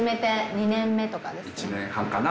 １年半かな。